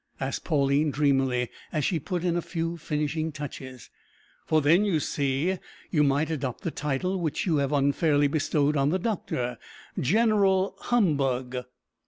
asked Pauline dreamily, as she put in a few finishing touches, "for then, you see, you might adopt the title which you have unfairly bestowed on the doctor General Humbug."